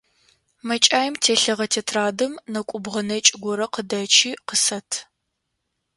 МэкӀаим телъыгъэ тетрадым нэкӀубгъо нэкӀ горэ къыдэчи, къысэт.